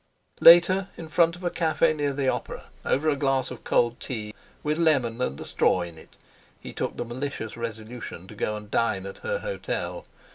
Later, in front of a café near the Opera, over a glass of cold tea with lemon and a straw in it, he took the malicious resolution to go and dine at her hotel.